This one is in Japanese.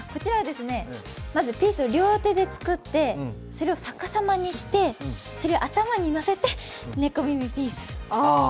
まずピースを両手で作ってそれを逆さまにして、それを頭にのせて、猫耳ピース。